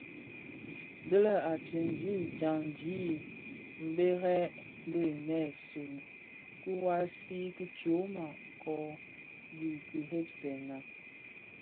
Dhi lè a teezi dyaňdi mbèrèn bi inèsun kiwasi ki tyoma kö dhi kiremzèna.